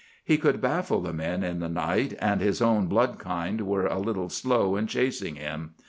He could baffle the men in the night, and his own blood kind were a little slow in chasing him.